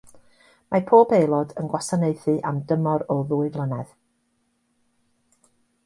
Mae pob aelod yn gwasanaethu am dymor o ddwy flynedd.